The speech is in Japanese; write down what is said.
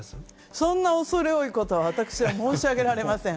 そんな恐れ多いことを私は申し上げられません。